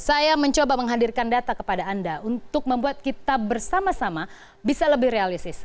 saya mencoba menghadirkan data kepada anda untuk membuat kita bersama sama bisa lebih realistis